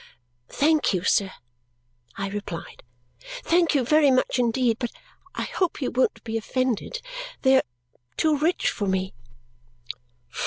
"Thank you, sir," I replied; "thank you very much indeed, but I hope you won't be offended they are too rich for me."